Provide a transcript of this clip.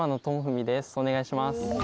お願いします。